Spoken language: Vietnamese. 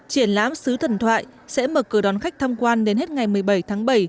triển lãm xứ thần thoại sẽ mở cửa đón khách tham quan đến hết ngày một mươi bảy tháng bảy